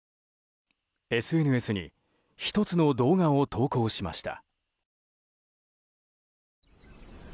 ＳＮＳに１つの動画を投稿しました。